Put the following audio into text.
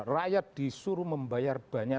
rakyat disuruh membayar banyak